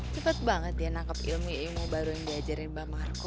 cepat banget dia nangkep ilmu ilmu baru yang diajarin mbak marco